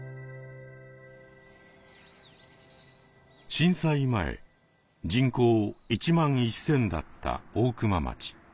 震災前人口１万１，０００だった大熊町。